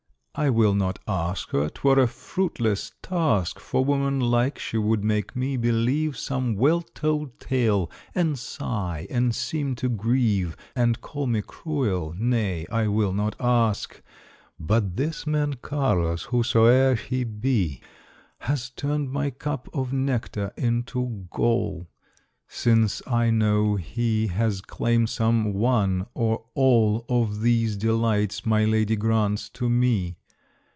I will not ask her! 'twere a fruitless task, For, woman like, she would make me believe Some well told tale; and sigh, and seem to grieve, And call me cruel. Nay, I will not ask. But this man Carlos, whosoe'er he be, Has turned my cup of nectar into gall, Since I know he has claimed some one or all Of these delights my lady grants to me.